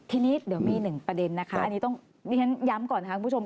ทีนี้เดี๋ยวมีหนึ่งประเด็นนะคะอันนี้ต้องดิฉันย้ำก่อนค่ะคุณผู้ชม